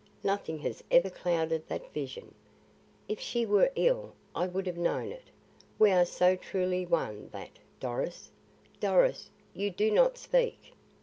Nothing has ever clouded that vision. If she were ill I would have known it. We are so truly one that Doris, Doris, you do not speak.